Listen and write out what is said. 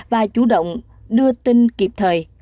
và chủ động đưa tin kịp thời